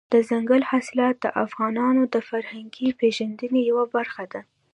دځنګل حاصلات د افغانانو د فرهنګي پیژندنې یوه برخه ده.